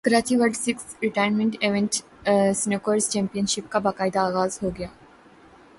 Karachi world six red and team event snooker championship کا باقاعدہ اغاز ہوگیا